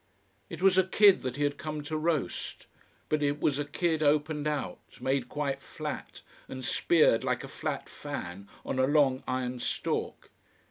It was a kid that he had come to roast. But it was a kid opened out, made quite flat, and speared like a flat fan on a long iron stalk.